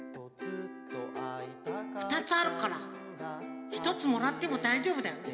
ふたつあるからひとつもらってもだいじょうぶだよね。